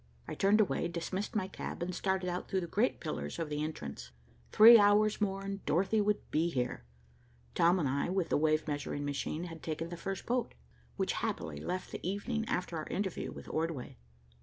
I turned away, dismissed my cab, and started out through the great pillars of the entrance. Three hours more and Dorothy would be here. Tom and I, with the wave measuring machine, had taken the first boat, which happily left the evening after our interview with Ordway.